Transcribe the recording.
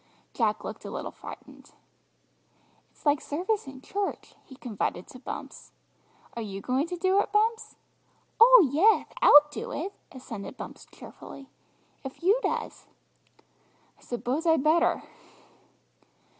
Jack looked a little frightened. "It's like service in church," he confided to Bumps; "are you going to do it, Bumps?" "Oh, yeth, I'll do it," assented Bumps cheerfully, "if you does." "I suppose I'd better."